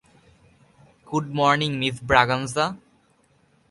Good morning miss Braganza.